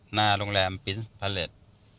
หน้าโรงแรมปิ๊สพระเล็จ